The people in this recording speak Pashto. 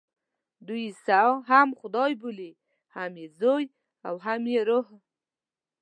دوی عیسی هم خدای بولي، هم یې زوی او هم یې روح.